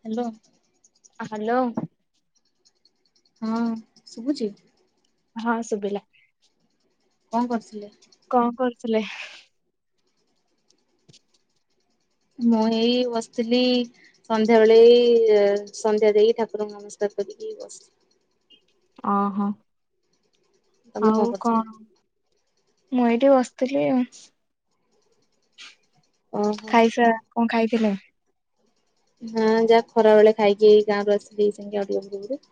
Hello. Hello. ହୁଁ ଶୁଭୁଚି? ହଁ ଶୁଭିଲା। କଣ କରୁଥିଲେ? କଣ କରୁଥିଲେ? ମୁଁ ଏଇ ବସିଥିଲି। ସନ୍ଧ୍ୟା ବେଳେ ଏଇ ସନ୍ଧ୍ୟା ଦେଇକି ଠାକୁରଙ୍କୁ ନମସ୍କାର କରିକି ବସିଚି। ଓହୋ ତମେ ଆଉ କରୁଥିଲ? କଣ ମୁଁ ଏଇଠି ବସିଥିଲି ଆ ଓହୋ ଖାଇସା କଣ ଖାଇଥିଲେ? ହଁ ଯାହା ଖରା ବେଳେ ଖାଇକିଇ ଗାଁ କୁ ଆସିଚି ସେମିତି ଆଉ ଟିକେ ପୂର୍ବରୁ।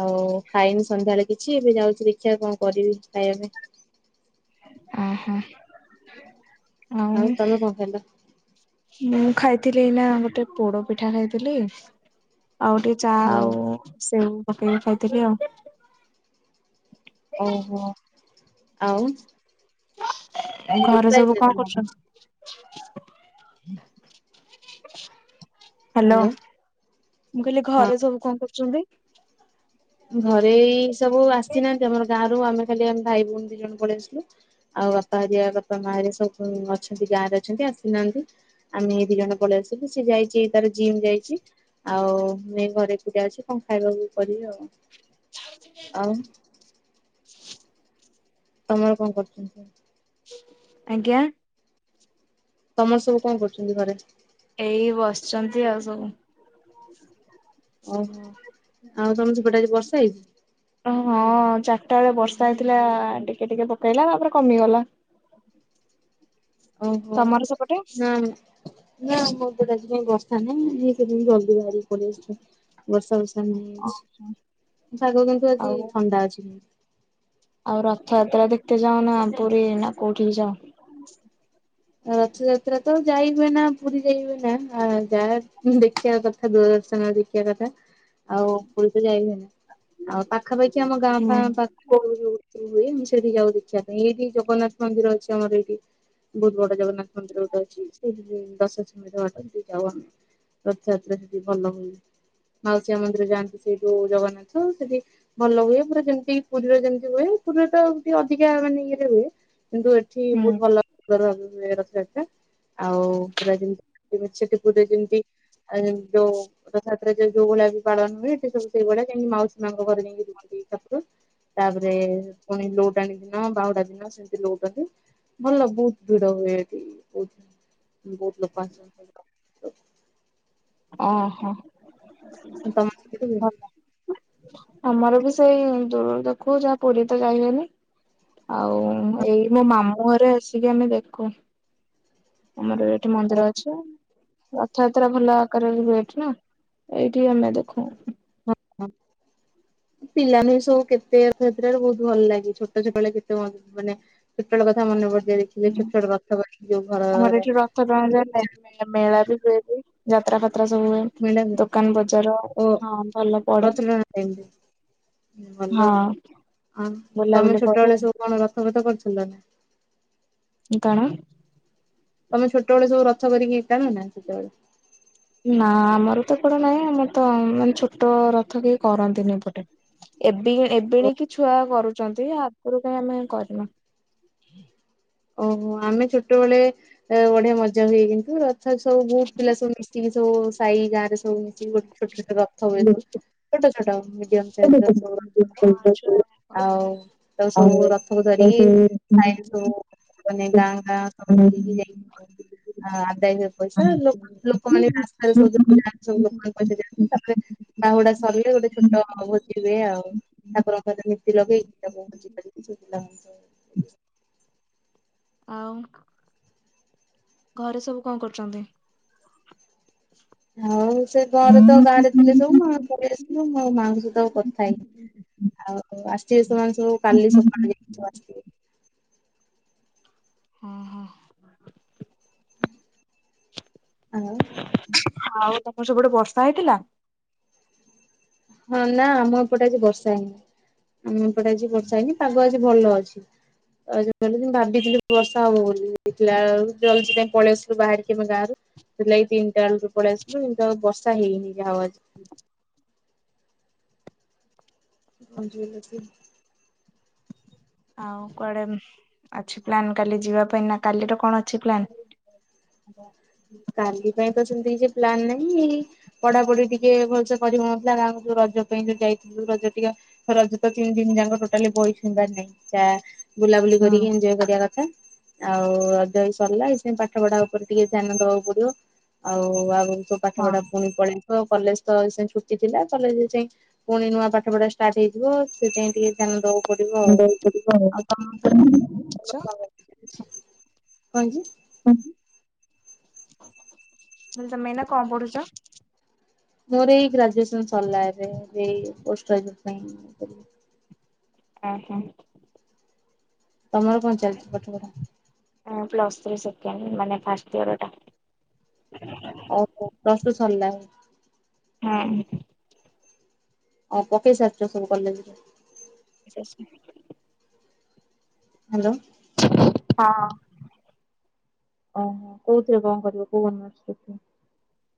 ଆଉ ଖାଇନି ସନ୍ଧ୍ୟାବେଳେ କିଛି ଏବେ ଯାଉଚି ଦେଖିଆ କଣ କରିବି ଖାଇବା ପାଇଁ। ଅ ହୋ ଆଉ ତମେ କଣ ଖାଇଲ? ମୁଁ ଖାଇଥିଲି ଏଇନା ଗୋଟେ ପୋଡ଼ ପିଠା ଖାଇଥିଲି ଆଉ ଟିକେ ଚା ହଁ ଆଉ ସେଉ ପକେଇକି ଖାଇଥିଲି ଆଉ। ଓହୋ ଆଉ। ଘରେ ବର୍ଷା ସବୁ ହେଇଥିଲା କଣ ତମ ଆଡେ? କରୁଛନ୍ତି? ହ୍ୟାଲୋ, ମୁଁ କହିଲି ହଁ ଘରେ ସବୁ କଣ କରୁଛନ୍ତି? ଘରେ ଏଇ ସବୁ ଆସିନାହାଁନ୍ତି। ଆମର ଗାଁ ରୁ ଆମେ ଖାଲି ଆମ ଭାଇ ଭଉଣୀ ଦି ଜଣ ପଳେଇ ଆସିଲୁ। ଆଉ ବାପା ହରିଆ, ବାପା ମାଆ ସବୁ ଅଛନ୍ତି ଗାଁରେ ଅଛନ୍ତି, ଆସିନାହାଁନ୍ତି। ଆମେ ଦି ଜଣ ପଳେଇ ଆସିଲୁ। ସେ ଯାଇଚି ତାର ଜିମ୍ ଯାଇଚି। ଆଉ ମେଁ ଘରେ ଏକୁଟିଆ ଅଛି, କଣ ଖାଇବାକୁ କରିବି ଆଉ? ଆଉ ଚିକେ [unintelligible] ତମର କଣ କରୁଚନ୍ତି ସବୁ? ଆଜ୍ଞା! ତମର ସବୁ କଣ କରୁଚନ୍ତି ଘରେ? ଏଇ ବସିଛନ୍ତି ଆଉ ସବୁ। ଓହୋ! ଆଉ ତମର ସେପଟେ ଆଜି ବର୍ଷା ହେଇଚି? ଓ ହଁ, ଚାରିଟା ବେଳେ ବର୍ଷା ହେଇଥିଲା, ଟିକେ ଟିକେ ପକେଇଲା ତା'ପରେ କମିଗଲା। ଓହୋ! ତମର ସେପଟେ? ହୁଁ। ନାଁ, ଆମର ତ ଆଜିକାଇଁ ବର୍ଷା ନାହିଁ। ଇଏ କେବେ ବି ଜଲ୍ ଦି ବାହାରିକି ପଳି ଆସିଛନ୍ତି। ବର୍ଷା ଫର୍ଷା ନାହିଁ ଓହୋ ଆଜି। ପାଗ କିନ୍ତୁ ଆଜି ଆଉ ଥଣ୍ଡା ଅଛି [unintelligible] ଆଉ ରଥଯାତ୍ରା ଦେଖିତେ ଯାଅ ନା, ପୁରୀ ନା କୋଉଠିକି ଯାଅ। ରଥଯାତ୍ରା ତ ଯାଇ ହୁଏନା, ପୁରୀ ଯାଇ ହୁଏନା। ଆ ଯା ଦେଖିବା କଥା ଦୂରଦର୍ଶନରେ। ଦେଖିବା କଥା। ଆଉ ପୁରୀ ତ ଯାଇ ହୁଏନି, ଆଉ ପାଖାପାଖି ଆମ ଗାଁ ହୁଁ। ଫାଁ ପାଖ ଯୋଉ ଯୋଉତି ହୁଏ, ମୁଁ ସେଇଠି ଯାଉ ଦେଖିବା ପାଇଁ ଏଇଠି ଜଗନ୍ନାଥ ମନ୍ଦିର ଅଛି, ଆମର ଏଇଠି। ବହୁତ ବଡ଼ ଜଗନ୍ନାଥ ମନ୍ଦିର ଗୋଟେ ଅଛି। ସେଇଠିକି ଦଶ ସେଖେଣ୍ତେର ବାଟ ଯାଉ ଆମେ। ରଥଯାତ୍ରା ସେଠି ଭଲ ହୁଏ। ମାଉସୀ ମାଁ ମନ୍ଦିର ଯାଆନ୍ତି ସେଇଠୁ ଜଗନ୍ନାଥ, ସେଠି ଭଲ ହୁଏ, ପୁରା ଯେମିତି ପୁରୀରେ ଯେମିତି ହୁଏ, ପୁରୀରେ ତ ଅଧିକା ମାନେ ଇଏରେ ହୁଏ। କିନ୍ତୁ ଏଠ୍ ଠି ହୁଁ ବହୁତ ଭଲ, ତାଙ୍କର ମେୟର ସହିତ। ଆଉ, ପୁରା ଯେମତି [unintelligible] ଯୋଉ ରଥଯାତ୍ରା ଯେ ଯୋଉ ଭଳିଆ ବି ପାଳନ ହୁଏ, ସେ ସବୁ ସେଇ ଭଳିଆ ଯାଇଁକି ମାଉସୀ ମାଆଁ ଙ୍କ ଘରେ ଯାଇକି ରୁହନ୍ତି ସାତଦିନ। ତା'ପରେ ପୁଣି ଲୌଟାଣି ଦିନ, ବାହୁଡ଼ା ଦିନ ସେମିତି ଲୋଉଟନ୍ତି। ଭଲ ବହୁତ ଭିଡ଼ ହୁଏ ଏଠି। ବହୁତ ବହୁତ ଲୋକ ଆସନ୍ତି [unintelligible] ଅ, ହଁ, ତମ ସେଠି ହୁଏନି? ଭଲ। ଆମର ବି ସେଇ ଦୂରରୁ ଦେଖୁ। ଯାହା ପୁରୀ ତ ଯାଇ ହୁଏନି। ଆଉ-ଉଁ ଏଇ ମୋ ମାମୁଁ ଘରେ ଆସିକି ଆମେ ଦେଖୁ। ଆମର ଏଠି ମନ୍ଦିର ଅଛିଁ। ରଥଆତ୍ରା ଭଲ ଆକାରରେ ହୁଏ ଏଠି ନା। ଏଇଠି ଆମେ ଦେଖୁଁ। ହଁ ହଁ। ପିଲାମାନେ ସଉ କେତେ ରଥଆତ୍ରା ରେ ବହୁତ ଭଲ ଲାଗେ, ଛୋଟ ଛୋଟବେେଳେ ଯେତେ [unintelligible] ମାନେ ଛୋଟୋଳ କଥା ମନେ ପଡିଯାଏ, ଦେଖିଲେ ଛୋଟ ଛୋଟ [unintelligible] ଯୋଉ ଘରର [unintelligible] ମେଳା ବି ହୁଏ ବି ଯାତ୍ରା ଫାତ୍ରା ସବୁ ହୁଏ। ମେଳା ହୁଏ। ଦୋକାନ ବଜାର ଓ ହଁ ଭଲ ପଡେ ପ୍ରଥମା [unintelligible] ଭଲ ଅ। ହଁ ଆଉ ତମେ ବୁଲାବୁଲି କରୁ ଛୋଟବେେଳେ ସବୁ କଣ ରଥଫଥ କରୁଥିଲ ନା? କଣ? ତମେ ଛୋଟବେଳେ ସବୁ ରଥ କରିକି ଟାଣନା ସେତେବେଳେ? ନାଁ, ଆମର ତ ଏପଟେ ନାହିଁ ଆମର ତ ମାନେ ଛୋଟ ରଥ କେହି କରନ୍ତିନି ଏପଟେ। ଏବି ଓ ଏବିଣିକି ଛୁଆ କରୁଛନ୍ତି। ଆଗରୁ କାଇଁ ଆମେ କରିନୁ। ଓହୋ! ଆମେ ଛୋଟବେଳେ ବଢିଆ ମଜା ହୁଏ କିନ୍ତୁ, ରଥ ସବୁ ବହୁତ ପିଲା ସବୁ ମିଶ୍ ଟିବି ସବୁ ସାଇ ଗାଁ ରେ ସବୁ ହଉଛି, ଗୋଟେ ଛୋଟ ଛୋଟ ରଥ ହୁଏ ସବୁ। ଛୋଟ ଛୋଟ ମିଡିୟମ୍ ସାଇଜର ସବୁ [inaudible] ଆଉ ତା ସବୁ ରଥ୍ ସବୁ ଧରିକି ଖାଇଲୁ ମାନେ, ଗାଁ ଗାଁ ସବୁ ବୁଲିକି ଯାଇଥୁ ଆ-ଆଦାୟ ହୁଏ ପଇସା। ଲ ଲୋକମାନେ ରାସ୍ତାରେ ସବୁ ଯ ଯାନ୍ତି ସବୁ, ଲୋକମାନେ ପଇସା ଦିଅନ୍ତି, ତା'ପରେ ବାହୁଡା ସରିଲେ ଗୋଟେ ଛୋଟ-ଅ ଭୋଜି ହୁଏ ଆଉ। ତା'ପର ନୀତି ଲଗେଇକି, ତା [inaudible] ପିଲା? [inaudible] ଆଉ ଘରେ ସବୁ କଣ କରୁଚନ୍ତି? ହଉ ସେ ଘରେ ତ ଗାଁ ରେ ଥିଲେ ସବୁ, ମୁଁ ପଳେଇ ଆସଥିଲୁ, ମୁଁ ମାଆଙ୍କ ସହିତ ଆଉ କଥା ହେଇ ଆଉ ଆସିବେ ସେମାନେ ସବୁ କାଲି ସକାଳ ଭିତରେ ଆସିବେ। ହଁ ହଁ। ହୁଁ, ହାଲୋ ଆଉ ତମର ସେପଟେ ବର୍ଷା ହେଇଥିଲା? ହଁ, ନା, ଆମ ଏପଟେ ଆଜି ବର୍ଷା ହେଇନି, ଆମ ଏପଟେ ଆଜି ବର୍ଷା ହେଇନି ପାଗ ଆଜି ଭଲ ଅଛି। ଆଉ ଭାବିଥିଲି ବର୍ଷା ହବ ବୋଲି, ଦେଖିଲା ବେଳକୁ ପଳେଇ ଆସଥିଲୁ ବାହାରିକି ଆମ ଗାଁରୁ ବୁଲାଇ ତିନଟା ବେଳକୁ ପଳେଇ ଆସିଲୁ କିନ୍ତୁ ଆ ବର୍ଷା ହେଇନି ଯାହା ଆଜି। ହୁଁ। ମୁଁ ପହଞ୍ଚି ଗଲି ଏଥର। ଆଉ କୁଆଡେ ଅଛି ପ୍ଲାନ୍ କାଲି ଯିବା ପାଇଁ ନା କାଲିର କଣ ଅଛି ପ୍ଲାନ୍? କାଲି ପାଇଁ ତ ସେମିତି କିଛି ପ୍ଲାନ ନାହିଁ। ପଢାପଢି ଟିକେ ଭଲସ କରିହଉନଥିଲା, ଗାଁକୁ ଯୋଉ ରଜ ପାଇଁ ଯୋଉ ଯାଇଥିଲି, ରଜ ଟିକେ ରଜ ତିନି ଦିନ ଯାକ ଟୋଟାଲି ବହି ସୁନ୍ଦାର ନାହିଁ, ଯାହା ବୁଲାବୁଲି ହୁଁ କରିକି ଏଜୟ କରିବା କଥା। ଆଉ ରଜ ହେ ସରିଲା, ଏ ସେ ପାଠ ପଢା ଉପରେ ଟିକେ ଧ୍ୟାନ ଦଉ। ଆଉ ଆଗ ସବୁ ପାଠପଢା ହଁ ପୁଣି ପଳେଇ ତ କଲେଜ ତ ଛୁଟି ଥିଲା, କଲେଜ ଯାଇ ପୁଣି ନୂଆ ପାଠପଢା ଷ୍ଟାର୍ଟ ହେଇଥିବ, ସେ ପାଇଁ ଟିକେ ଧ୍ୟାନ ଦବାକୁ ପଡିବ ଆଉ, ଆଉ କ ହଁଜି। ତମେ ଏନା କଣ ପଢୁଛ? ମୋର ଏଇ ଗ୍ରାଜୁଏସନ ସରିଲା ଏବେ, ପୋଷ୍ଟ ଗ୍ରାଜୁ ପାଇଁ ହ ହୋ। ତମର କଣ ଚାଲିଛି ପାଠ ପଢା? ହଁ, ପ୍ଲସ୍ ଥ୍ରୀ ସେକେଣ୍ଡ ମାନେ ଫାଷ୍ଟ ୟରଟା। ଓ, ପ୍ଲସ ଥ୍ରୀ ସରିଲାଣି? ହଁ। ହଁ ପକେଇ ସାରିଛ, ସବୁ କଲେଜ ରେ [inaudible] ହାଲୋ? ହଁ ଅଁ। ଓହ, କୋଉଥିରେ କଣ କରିବ କୋଉ ଅନର୍ଶରେ ପୁଣି।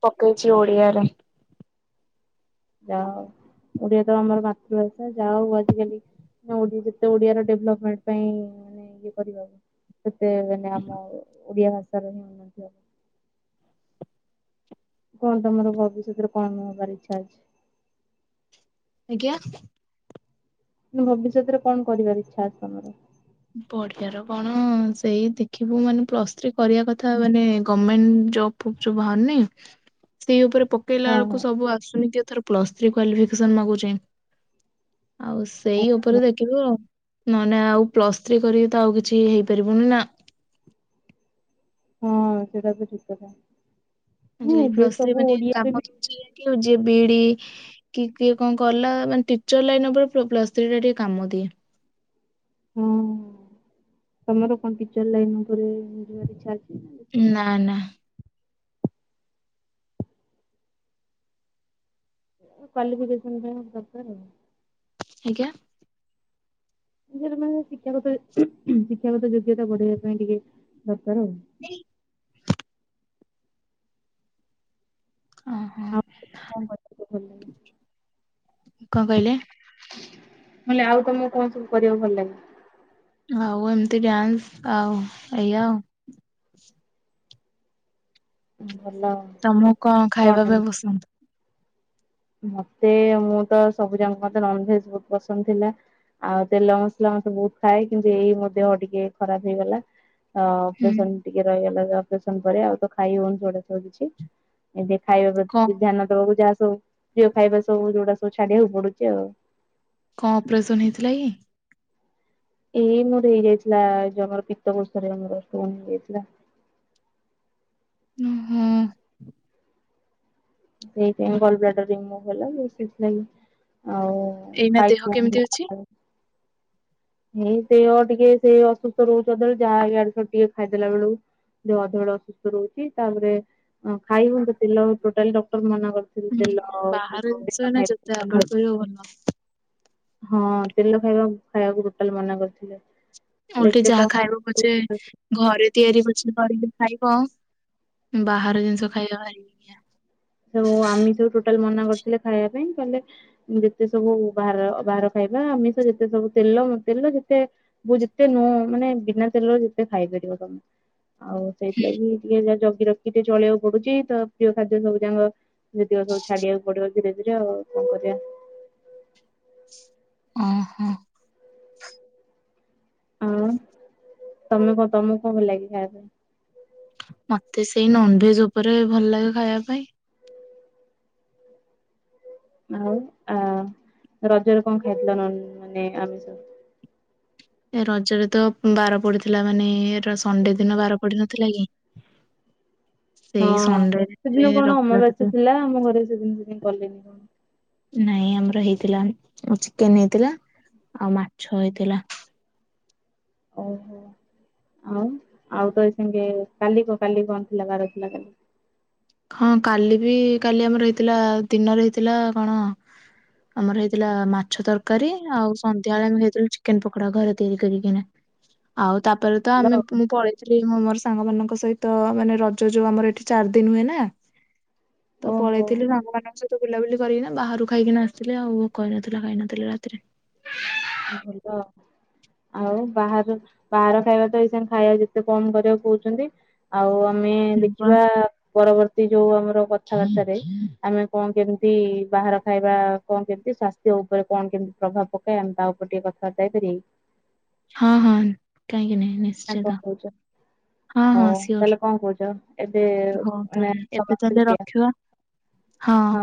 ପକେଇଛି ଓଡିଆରେ। ଯାହା ହଉ, ଓଡିଆ ତ ଆମର ମାତୃଭାଷା, ଯାହା ହଉ ଆଜିକାଲି ଓ ଓଡ଼ି ଯେତେ ଓଡିଆର ଡେଭଲପମେଣ୍ଟ ପାଇଁ ମାନେ ଇଏ କରିବ। ସେତେ ମାନେ ଆମ ଓଡିଆ ଭାଷା ର ହିଁ ଉନ୍ନତି ହବ। କଣ ତମର ଭବିଷ୍ୟତରେ କଣ ହବାର ଇଛା ଅଛି? ଆଜ୍ଞା। ଭବିଷ୍ୟତରେ କଣ କରିବାର ଇଛା ଅଛି ତମର? ପଢ଼ିବାର କଣ ସେଇ ଦେଖିବୁ, ମାନେ ପ୍ଲସ୍ ଥ୍ରୀ କରିବା କଥା, ମାନେ ଗମେଣ୍ଟ ଜବ୍ ଜବ୍ ବାହାରୁନେଇ, ସେଇ ଉପରେ ପ ପକେଇଲା ହଁ ବେଳକୁ ହଁ ସବୁ ଆସୁନି କି ଏଥର ପ୍ଲସ ଥ୍ରୀ କ୍ୱାଲିଫିକେସନ ମାଗୁଛି। ଆଉ ସେଇ ଉପରେ ଆଜ୍ଞା। ଦେଖିବ, ନନେ ଆଉ ପ୍ଲସ ଥ୍ରି କରିକି ତ ଆଉ କିଛି ହେଇପାରିବନି ନା। ହଁ ସେଇଟା ବି ଠିକ୍ କଥା। ହଁ ଯିଏ ଏବେ ପ୍ଲସ ଥ୍ରି ସବୁ ମାନେ ଓଡିଆରେ କାମ ବି ଦଉଛି କି ଯିଏ ବି ଇ ଡି କି କିଏ କଣ କଲା। ମାନେ ଟିଚର ଲାଇନ ଉପରେ ପ୍ଲସ୍ ଥ୍ରୀ ଟା ଟିକେ କାମ ଦିଏ। ହଁ ତମର କଣ ଟିଚର ଲାଇନ ଉପରେ ଯିବାର ଇଚ୍ଛା ଅଛି? ନା ନା। ଏ କ୍ୱାଲିଫିକେସନ ପାଇଁ ଗୋଟେ ଦରକାର। ଆଜ୍ଞା। ନିଜର ମାନେ ଶିକ୍ଷାଗତ ଶିକ୍ଷାଗତ ଯୋଗ୍ୟତା ବଢେଇବା ପାଇଁ ଟିକେ ଦରକାର ଆଉ। [unintelligible] ଅଂହଁ ଆଉ କଣ କରିବାକୁ ଭଲ ଲାଗେ? କଣ କହିଲେ? ମୁଁ କଲି ଆଉ ତମକୁ କଣ ସବୁ କରିବାକୁ ଭଲ ଲାଗେ? ଆଉ ଏମିତି ଡ୍ୟାନ୍ସ ଆଉ ଏଇଆ ଆଉ। ଭଲ। ତମକୁ କଣ ଖାଇବା ପାଇଁ ପସନ୍ଦ? ମତେ ମୁଁ ତ ସବୁ ଜାଙ୍କ ମତେ ନନଭେଜ ବହୁତ୍ ପସନ୍ଦ ଥିଲା। ଆଉ ତେଲ ମସଲା ମତେ ବହୁତ ଖାଏ। କିନ୍ତୁ ଏଇ ମୋ ଦେହ ଟିକେ ଖରାପ ହେଇଗଲା। ହଁ ହୁଁ ଅପରେସନ ଟିକେ ରହିଗଲା ଅପରେସନ ପରେ, ଆଉ ତ ଖାଇ ହଉନି ସେଉଗୁଡ଼ା ସବୁ କିଛି। ଏମତି ଖାଇବା କଣ ପ୍ରତି ଧ୍ୟାନ ଦବାକୁ ଯାହା ସବୁ ପ୍ରିୟ ଖାଇବା ସବୁ ଯୋଉଡା ସବୁ ଛାଡିବାକୁ ପଡୁଛି ଆଉ। କଣ ଅପରେସନ୍ ହେଇଥିଲା କି? ଏଇ ମୋର ହେଇଯାଇଥିଲା ଯୋଉ ଆମର ପିତ୍ତ କୋଷରେ ଷ୍ଟୋନ୍ ହେଇଯାଇଥିଲା। ଓ ହୁଁ। ସେଇଥିପାଇଁ ବ୍ଲଡ ବ୍ଲେଡାର ରିମୁଭ ହେଲା ଯୋଉ ସେଥିଲାଗି ଆଉ ଏଇନା ଖାଇ ଦେହ କେମିତି ଅଛି? ହେଇ ଦେହ ଟିକେ ସେ ଅସୁସ୍ଥ ରହୁଛି ସଦାବେଳେ। ଯାହା ଇଆଡୁ ସିଆଡୁ ଟିକେ ଖାଇଦେଲା ବେଳକୁ। ଦେହ ସବୁବେଳେ ଅସୁସ୍ଥ ରହୁଛି। ତାପରେ ଖାଇ ହୁଅନ୍ତ ତେଲ ଟୋଟାଲି ଡକ୍ଟର ମନା କର ହୁଁ ବାହାର ଜିନିଷ ଏଇନା ଯେତେ ଆଭଏଡ କରିବ ଭଲ। ହଁ ତେଲ ଖାଇବାକୁ ଖାଇବାକୁ ଟୋଟାଲ ମନା କରିଥିଲେ। ଓଲଟି ଏତେ ଯାହା ଖାଇବ ପଛେ କଣ ଘରେ ତିଆରି କରିକି ପଛେ ଖାଇବ ବାହାର ଜିନିଷ ଖାଇବା ଭାରି ଇଏ। ସବୁ ଆମିଷକୁ ଟୋଟାଲ ମନା କରିଥିଲେ ଖାଇବା ପାଇଁ କହିଲେ ଯେତେ ସବୁ ବାହାର ବାହାର ଖାଇବା ଆମିଷ ଯେତେ ସବୁ ତେଲ ତେଲ ଯେତେ ବ ଯେତେ ନୁହଁ ମାନେ ବିନା ତେଲର ଯେତେ ଖାଇପାରିବ ତମେ। ଆଉ ସେଇଥିଲାଗି ଟିକେ ଯ ଜଗି ରଖି ଟିକେ ଚଳିବାକୁ ପଡୁଛି। ତ ପ୍ରିୟ ଖାଦ୍ୟ ସବୁ ତାଙ୍କ ଯେତିକ ସବୁ ଛାଡିବାକୁ ପଡିବ ଧୀରେ ଧୀରେ ଆଉ କଣ କରିବା। ଓ ହଁ। ହଁ ତମେ କ ତମକୁ କଣ ଭଲ ଲାଗେ ଖାଇବା ପାଇଁ? ମତେ ସେଇ ନନଭେଜ ଉପରେ ଭଲ ଲାଗେ ଖାଇବା ପାଇଁ। ଆଉ ଆ ରଜରେ କଣ ଖାଇଥିଲ ନନଭେଜ ମାନେ ଆମିଷ? ଏ ରଜରେ ତ ବାର ପଡିଥିଲା ମାନେ ଏ ସଣ୍ଡେ ଦିନ ବାର ପଡି ନଥିଲା କି। [inaudible] ହଁ ସଣ୍ଡେରେ ସେଦିନ କଣ ରବିବାରରେ ଅମାବାସ୍ୟ ଥିଲା ଆମ ଘରେ ସେଦିନ କିଛି କଲେନି କଣ। ନାଇଁ ଆମର ହେଇଥିଲା ଚିକେନ ହେଇଥିଲା ଆଉ ମାଛ ହେଇଥିଲା। ଓହୋ ଆଉ ଆଉ ତ ଏ ସାଙ୍ଗେ କାଲି କ କାଲି କଣ ଥିଲା ବାର ଥିଲା କାଲି। ହଁ କାଲି ବି କାଲି ଆମର ହେଇଥିଲା ଦିନରେ ହେଇଥିଲା କଣ ଆମର ହେଇଥିଲା ମାଛ ତରକାରୀ ଆଉ ସନ୍ଧ୍ୟାବେଳେ ଆମେ ହେଇଥିଲୁ ଚିକେନ ପକୋଡା ଘରେ ତିଆରି କରିକିନା। ଆଉ ତାପରେ ତ ଆମେ ଭଲ ମୁଁ ପଳେଇ ଥିଲି ମୁଁ ମୋର ସାଙ୍ଗମାନଙ୍କ ସହିତ ମାନେ ରଜ ଯୋଉ ଆମର ଏଠି ଚାରି ଦିନ ହୁଏ ନା। ତ ଓହୋ ପଳେଇଥିଲି ସାଙ୍ଗମାନଙ୍କ ସହିତ। ତ ବୁଲାବୁଲି କରିକିନା ବାହାରୁ ଖାଇକିନା ଆସିଥିଲେ ଆଉ ଭୋକ ହେଇନଥିଲା ଖାଇନଥିଲି ରାତିରେ। ଭଲ। ଆଉ ବାହାର ବାହାର ଖାଇବା ତ ଏଇସଙ୍ଗ ଖାଇବା ଯେତେ କମ କରିବାକୁ କହୁଛନ୍ତି। ଆଉ ଆମେ ଆପଣ- ଦେଖିବା ପରବର୍ତ୍ତୀ ଯୋଉ ଆମର କଥାବାର୍ତ୍ତାରେ ଆମେ କଣ କେମିତି ବାହାର ଖାଇବା କଣ କେମିତି ସ୍ୱା ସେ ଉପରେ କଣ କେମିତି ପ୍ରଭାବ ପକାଏ ଆମେ ତା ଉପରେ ଟିକେ କଥାବାର୍ତ୍ତା ହେଇପାରିବା କି? ହଁ ହଁ କାହିଁକି ନାଇଁ ନି ନା କଣ କହୁଛ? ହଉ ସିଓର ତାହେଲେ କଣ କହୁଛ ଏବେ ହଉ ମାନେ ତାହେଲେ ଏବେ ସମାପ୍ତ ତାହେଲେ କରିବା। ରଖିବା ହଁ।